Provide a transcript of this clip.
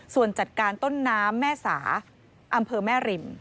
ส่วนจัดการต้นน้ำแม่สาอำเภอแม่ริม